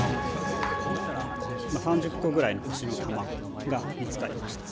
３０個ぐらいの星のタマゴが見つかりました。